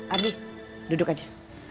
adi duduk aja